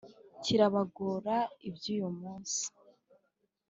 Kirabagora iby'uyu munsi